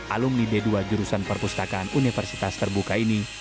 alumni d dua jurusan perpustakaan universitas terbuka ini